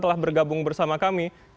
telah bergabung bersama kami